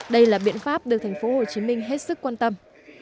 đây là biện pháp được tp hcm hết sức quan tâm